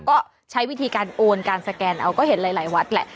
ก็ใช้วิธีการโอนการสแกนเอาก็เห็นหลายวัดแหละ